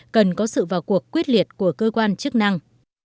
cần có sự vào cuộc quyết liệt của cơ quan chức năng